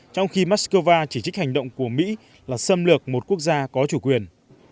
trong khi moscow chỉ trích hành động của mỹ là xâm lược một quốc gia có chủ quyền